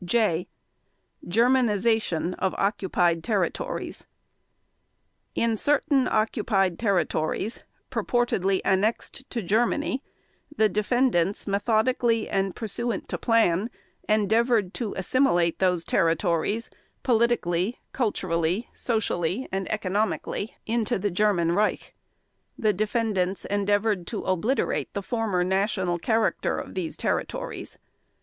(J) GERMANIZATION OF OCCUPIED TERRITORIES In certain occupied territories purportedly annexed to Germany the defendants methodically and pursuant to plan endeavored to assimilate those territories politically, culturally, socially, and economically into the German Reich. The defendants endeavored to obliterate the former national character of these territories.